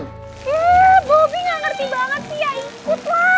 eh bobi gak ngerti banget sih ya ikutlah